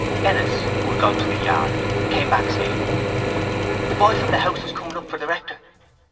Ennis, who had gone to the yard, came back, saying: —The boy from the house is coming up for the rector.